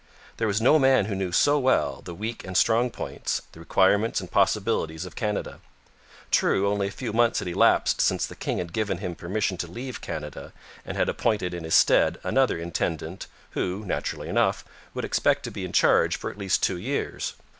There was no man who knew so well the weak and strong points, the requirements and possibilities of Canada. True, only a few months had elapsed since the king had given him permission to leave Canada, and had appointed in his stead another intendant who, naturally enough, would expect to be in charge for at least two years.